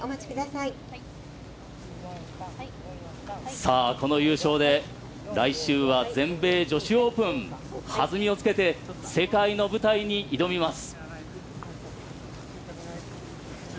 さあこの優勝で、来週は全米女子オープン、弾みをつけて世界の舞台に挑みます。